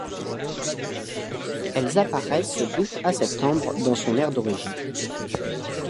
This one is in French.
Elles apparaissent d'août à septembre dans son aire d'origine.